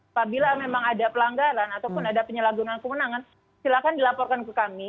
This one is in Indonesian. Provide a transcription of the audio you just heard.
apabila memang ada pelanggaran ataupun ada penyalahgunaan kewenangan silahkan dilaporkan ke kami